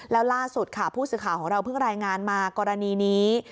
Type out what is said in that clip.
แล้วล่าสุดค่ะผู้สื่อข่าวของเราเพิ่งรายงานมากรณีนี้